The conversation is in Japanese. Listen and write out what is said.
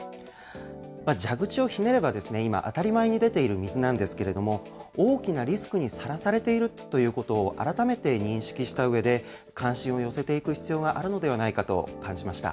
蛇口をひねれば今、当たり前に出ている水なんですけれども、大きなリスクにさらされているということを改めて認識したうえで、関心を寄せていく必要があるのではないかと感じました。